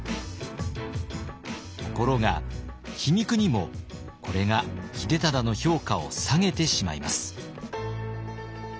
ところが皮肉にもこれが秀忠の評価を下げてしまいます。